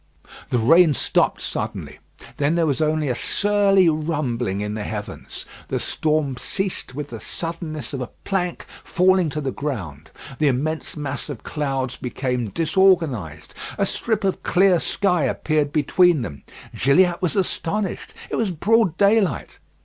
The rain stopped suddenly. Then there was only a surly rumbling in the heavens. The storm ceased with the suddenness of a plank falling to the ground. The immense mass of clouds became disorganised. A strip of clear sky appeared between them. Gilliatt was astonished: it was broad daylight.